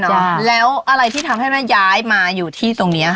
ใช่แล้วอะไรที่ทำให้แม่แย้นมาอยู่ที่ตรงนี่